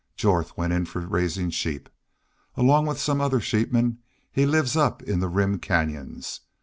Jorth went in for raisin' sheep. Along with some other sheepmen he lives up in the Rim canyons.